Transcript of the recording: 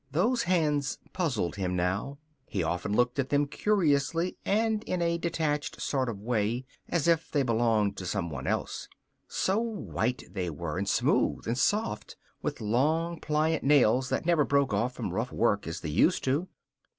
Those hands puzzled him now. He often looked at them curiously and in a detached sort of way, as if they belonged to someone else. So white they were, and smooth and soft, with long, pliant nails that never broke off from rough work as they used to.